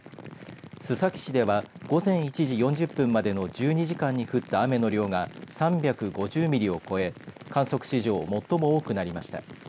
須崎市では午前１時４０分までの１２時間に降った雨の量が３５０ミリを超え観測史上、最も多くなりました。